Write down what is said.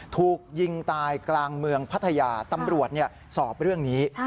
ถูกยิงตายกลางเมืองพัทยาตำรวจสอบเรื่องนี้